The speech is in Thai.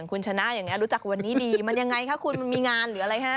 คุณชนะอย่างนี้รู้จักวันนี้ดีมันยังไงคะคุณมันมีงานหรืออะไรฮะ